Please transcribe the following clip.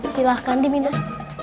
silahkan di minum